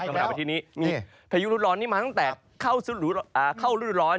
ประมาณว่าที่นี้พายุรุดร้อนนี้มาตั้งแต่เข้ารุดร้อน